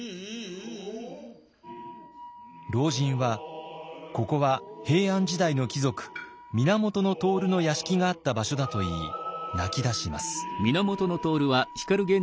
老人はここは平安時代の貴族源融の屋敷があった場所だと言い泣きだします。